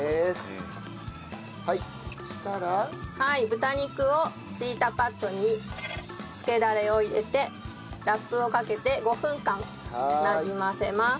豚肉を敷いたバットにつけダレを入れてラップをかけて５分間なじませます。